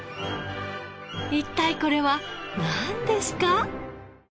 一体これはなんですか？